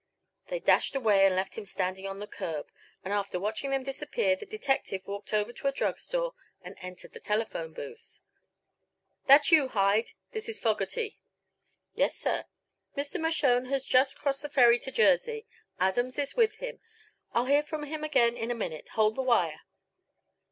They dashed away and left him standing on the curb; and after watching them disappear the detective walked over to a drug store and entered the telephone booth. "That you, Hyde? This is Fogerty." "Yes, sir. Mr. Mershone has just crossed the ferry to Jersey. Adams is with him. I'll hear from him again in a minute: hold the wire."